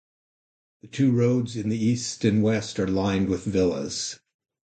The two roads in the east and west are lined with villas.